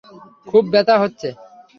খুব ব্যথা হচ্ছে।